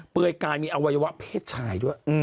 ยกายมีอวัยวะเพศชายด้วย